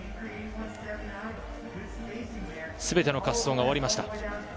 全ての滑走が終わりました。